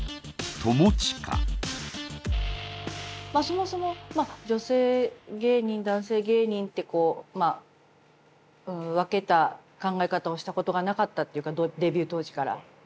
まあそもそも女性芸人男性芸人ってこうまあ分けた考え方をしたことがなかったっていうかデビュー当時から。